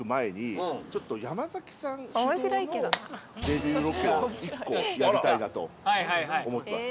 レビューロケを１個やりたいなと思ってます。